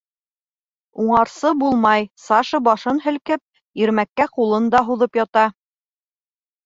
Уңарсы булмай Саша башын һелкеп, Ирмәккә ҡулын да һуҙып ята.